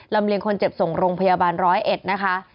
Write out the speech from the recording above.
เลียงคนเจ็บส่งโรงพยาบาลร้อยเอ็ดนะคะ